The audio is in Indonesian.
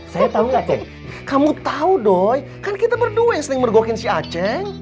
saya tau gak ceng kamu tau doy kan kita berdua yang sering mergokin si aceh